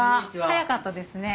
早かったですね。